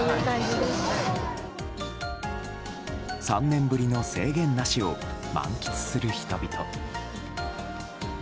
３年ぶりの制限なしを満喫する人々。